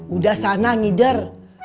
udah sana ngider